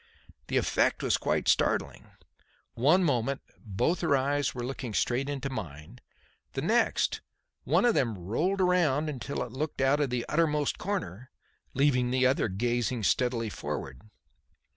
The effect was quite startling. One moment both her eyes were looking straight into mine; the next, one of them rolled round until it looked out of the uttermost corner, leaving the other gazing steadily forward.